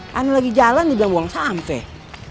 yang lagi jalan sudah buang sampah